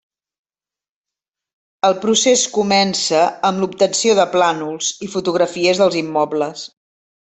El procés comença amb l'obtenció de plànols, i fotografies dels immobles.